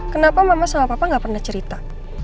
kenapa mama sama papa gak pernah cerita